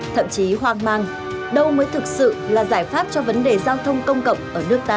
thậm chí hoang mang đâu mới thực sự là giải pháp cho vấn đề giao thông công cộng ở nước ta